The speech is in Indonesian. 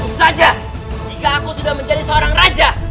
tentu saja jika aku sudah menjadi seorang raja